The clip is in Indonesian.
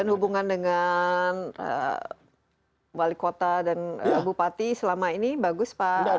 dan hubungan dengan wali kota dan bupati selama ini bagus pak